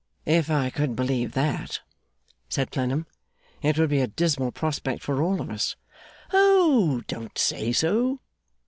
'If I could believe that,' said Clennam, 'it would be a dismal prospect for all of us.' 'Oh! Don't say so!